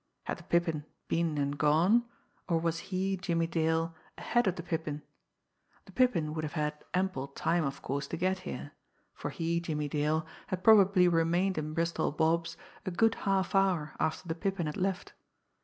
Had the Pippin been and gone; or was he, Jimmie Dale, ahead of the Pippin? The Pippin would have had ample time, of course, to get here, for he, Jimmie Dale, had probably remained in Bristol Bob's a good half hour after the Pippin had left.